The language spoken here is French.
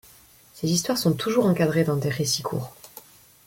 Ses histoires sont toujours encadrées dans des récits courts.